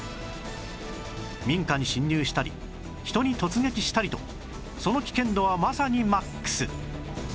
民家に侵入したり人に突撃したりとその危険度はまさに ＭＡＸ